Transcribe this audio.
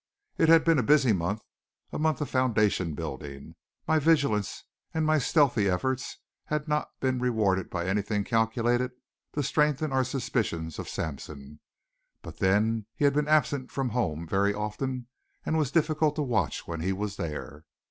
It had been a busy month a month of foundation building. My vigilance and my stealthy efforts had not been rewarded by anything calculated to strengthen our suspicions of Sampson. But then he had been absent from the home very often, and was difficult to watch when he was there.